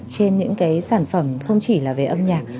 trên những cái sản phẩm không chỉ là về âm nhạc